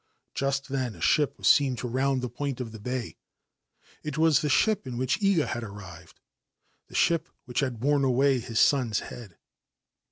Just then a ship was seen to and the point of the bay. It was the ship in which a had arrived, the ship which had borne away his son's ad.